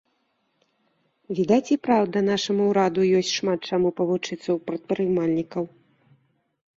Відаць, і праўда нашаму ўраду ёсць шмат чаму павучыцца ў прадпрымальнікаў.